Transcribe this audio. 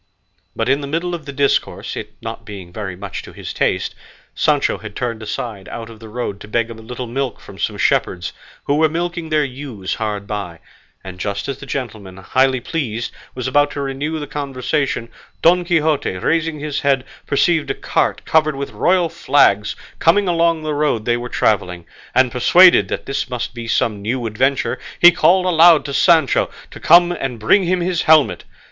But in the middle of the discourse, it being not very much to his taste, Sancho had turned aside out of the road to beg a little milk from some shepherds, who were milking their ewes hard by; and just as the gentleman, highly pleased, was about to renew the conversation, Don Quixote, raising his head, perceived a cart covered with royal flags coming along the road they were travelling; and persuaded that this must be some new adventure, he called aloud to Sancho to come and bring him his helmet.